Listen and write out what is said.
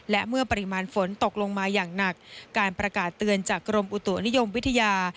และเมื่อปริมาณฝนตกลงมาอย่างหนักการประกาศเตือนจากกรมอุตุนิยมวิทยา